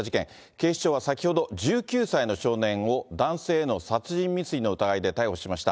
警視庁は先ほど、１９歳の少年を男性への殺人未遂の疑いで逮捕しました。